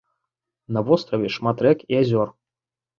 На востраве шмат рэк і азёр.